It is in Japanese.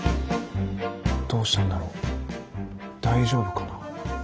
どうしたんだろう大丈夫かな。